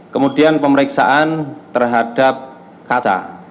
kemudian pemeriksaan terhadap kaca